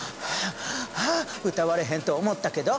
歌われへんと思ったけど。